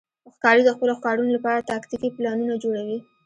ښکاري د خپلو ښکارونو لپاره تاکتیکي پلانونه جوړوي.